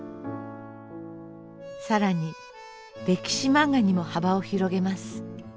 更に歴史漫画にも幅を広げます。